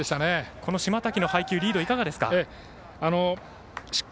この島瀧の配球、リードはいかがですか。